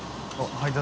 配達。